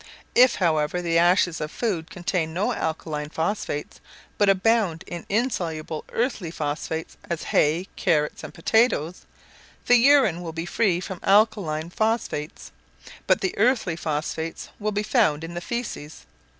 If, however, the ashes of food contain no alkaline phosphates, but abound in insoluble earthy phosphates, as hay, carrots, and potatoes, the urine will be free from alkaline phosphates, but the earthy phosphates will be found in the faeces.